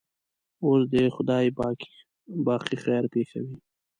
اوس دې خدای پاک باقي خیر پېښوي.